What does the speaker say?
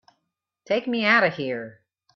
Take me out of here!